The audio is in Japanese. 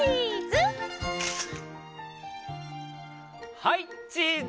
はいチーズ！